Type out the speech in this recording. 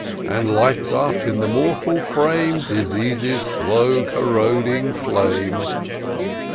And lights up in the mortal frame Disease's slow corroding flame.